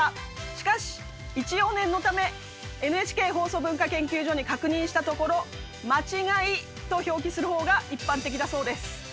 しかし一応念のためＮＨＫ放送文化研究所に確認したところ「間違い」と表記する方が一般的だそうです。